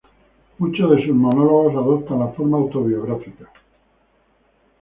Muchos de sus monólogos adoptan la forma autobiográfica.